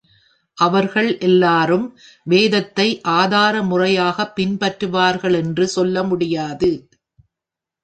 அவர்கள் எல்லாரும் வேதத்தை ஆதாரமுறையாகப் பின்பற்றுவார்களென்று சொல்ல முடியாது.